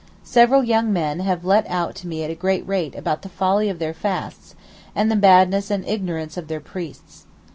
Several young men have let out to me at a great rate about the folly of their fasts, and the badness and ignorance of their priests.